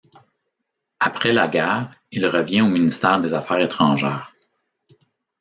Après la guerre, il revient au ministère des Affaires étrangères.